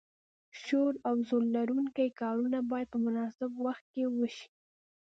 شور او زور لرونکي کارونه باید په مناسب وخت کې وشي.